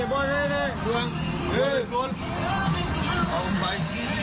อ้าวเข้าไป